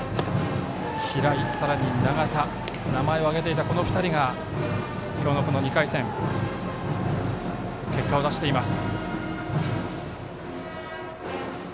平井、さらに長田名前を挙げていた、この２人が今日の２回戦結果を出しています。